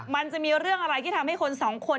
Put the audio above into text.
มันจะมีเรื่องอะไรที่ทำให้คนสองคน